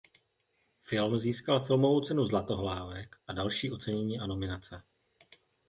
Film získal filmovou cenu Zlatohlávek a další ocenění a nominace.